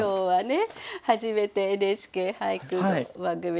はい。